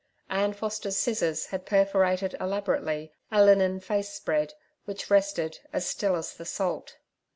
Ann Foster's scissors had perforated elaborately a linen face spread, which rested as still as the salt.